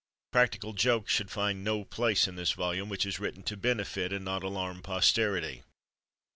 Practical jokes should find no place in this volume, which is written to benefit, and not alarm, posterity.